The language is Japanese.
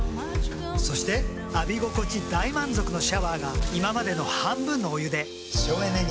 そして浴び心地大満足のシャワーが今までの半分のお湯で省エネに。